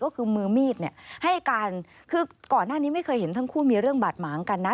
ก็คือมือมีดเนี่ยให้การคือก่อนหน้านี้ไม่เคยเห็นทั้งคู่มีเรื่องบาดหมางกันนะ